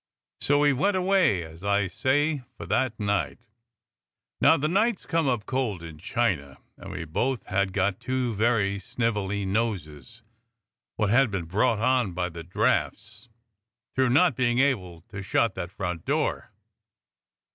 So we went away, as I say, for that night. Now the nights come up cold in China, and we both had got two very snivelly noses wot had been brought on by the draughts tlu ough not being able to shut that front door.